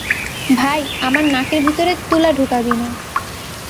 ভাই, আমার নাকের ভিতরে তুলা ঢুকাবি না।